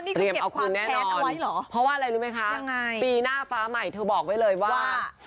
นี่คือเก็บความแค้นเอาไว้เหรอเพราะว่าอะไรรู้ไหมคะยังไงปีหน้าฟ้าใหม่เธอบอกไว้เลยว่า